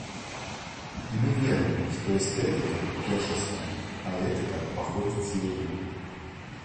І мы верым, што эстэтыка першасная, а этыка паходзіць з яе.